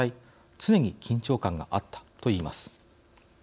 常に緊張感があったといいます。